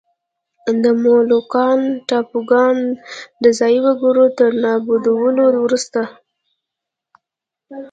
د مولوکان ټاپوګان د ځايي وګړو تر نابودولو وروسته.